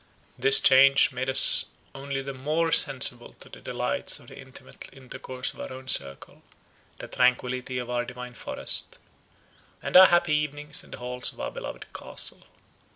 This change made us only the more sensible to the delights of the intimate intercourse of our own circle, the tranquillity of our divine forest, and our happy evenings in the halls of our beloved Castle.